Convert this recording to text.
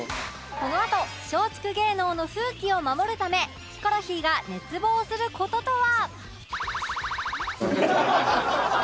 このあと松竹芸能の風紀を守るためヒコロヒーが熱望する事とは？